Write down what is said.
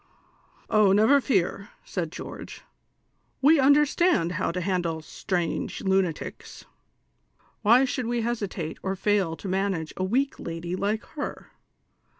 " Oh, never fear," said George ;" we understand how to handle strong lunatics ; why should we hesitate or fail to manage a weak lady like lier